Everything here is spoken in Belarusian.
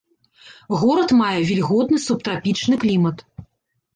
Горад мае вільготны субтрапічны клімат.